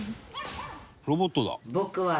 「ロボットだ」